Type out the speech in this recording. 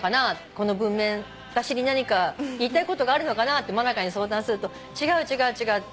この文面私に何か言いたいことがあるのかなって真香に相談すると「違う違う違う」